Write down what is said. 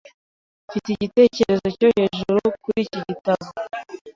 Mfite igitekerezo cyo hejuru kuri iki gitabo.